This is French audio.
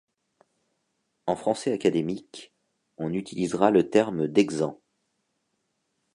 En français académique, on utilisera le terme dʼexempt.